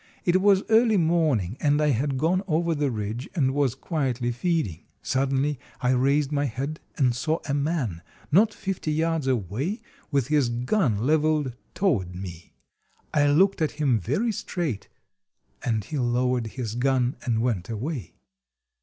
It was early morning, and I had gone over the ridge and was quietly feeding. Suddenly I raised my head and saw a man, not fifty yards away, with his gun leveled toward me. I looked at him very straight, and he lowered his gun and went away.